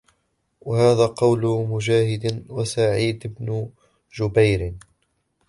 وَهَذَا قَوْلُ مُجَاهِدٍ وَسَعِيدِ بْنِ جُبَيْرٍ